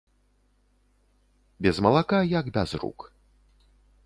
Без малака як без рук.